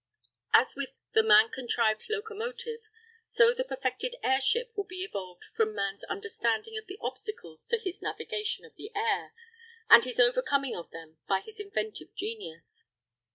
As with the man contrived locomotive, so the perfected airship will be evolved from man's understanding of the obstacles to his navigation of the air, and his overcoming of them by his inventive genius.